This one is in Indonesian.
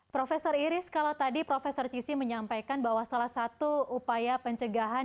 profesor iris kalau tadi prof cissi menyampaikan bahwa salah satu upaya pencegahan